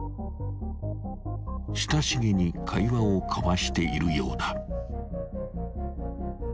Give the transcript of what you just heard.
［親しげに会話を交わしているようだ］